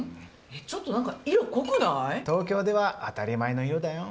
ちょっとなんか、色、東京では、当たり前の色だよ。